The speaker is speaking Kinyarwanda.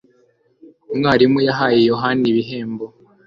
Umwarimu yahaye Yohana igihembo.